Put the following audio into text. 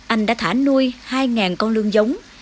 anh đã thả nuôi hai con lương giống